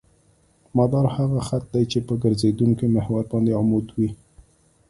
مدار هغه خط دی چې په ګرځېدونکي محور باندې عمود وي